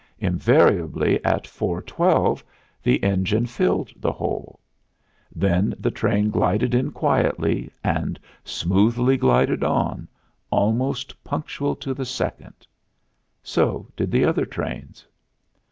Invariably at four twelve the engine filled the hole; then the train glided in quietly, and smoothly glided on, almost punctual to the second. So did the other trains.